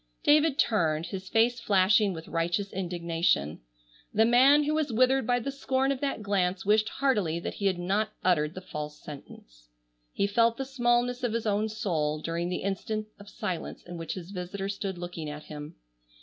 David turned, his face flashing with righteous indignation. The man who was withered by the scorn of that glance wished heartily that he had not uttered the false sentence. He felt the smallness of his own soul, during the instant of silence in which his visitor stood looking at him.